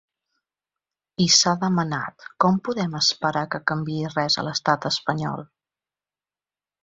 I s’ha demanat: Com podem esperar que canviï res a l’estat espanyol?